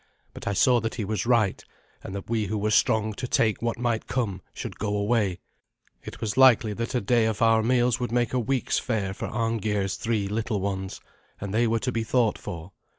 But I saw that he was right, and that we who were strong to take what might come should go away. It was likely that a day of our meals would make a week's fare for Arngeir's three little ones, and they were to be thought for.